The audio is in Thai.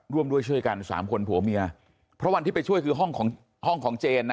ร่วมด้วยช่วยกันสามคนผัวเมียเพราะวันที่ไปช่วยคือห้องของห้องของเจนนะ